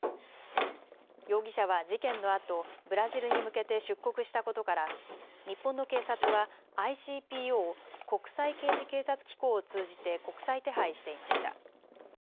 容疑者は事件のあとブラジルに向けて出国したことから、日本の警察はＩＣＰＯ・国際刑事警察機構を通じて国際手配していました。